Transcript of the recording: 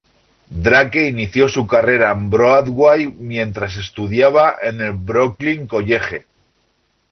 Drake inició su carrera en Broadway mientras estudiaba en el Brooklyn College.